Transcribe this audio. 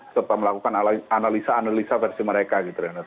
serta melakukan analisa analisa versi mereka gitu renhard